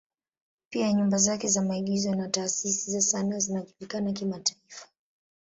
Pia nyumba zake za maigizo na taasisi za sanaa zinajulikana kimataifa.